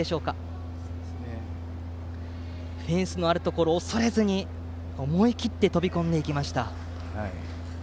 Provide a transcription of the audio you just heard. フェンスのあるところを恐れずに思い切って飛び込んでいきました。